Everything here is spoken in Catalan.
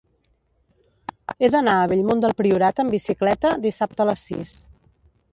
He d'anar a Bellmunt del Priorat amb bicicleta dissabte a les sis.